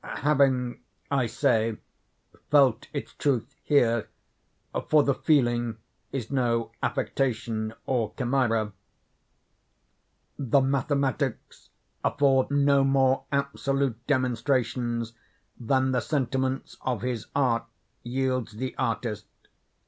Having, I say, felt its truth here; for the feeling is no affectation or chimera. The mathematics afford no more absolute demonstrations than the sentiments of his art yields the artist.